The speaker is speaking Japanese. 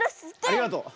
ありがとう。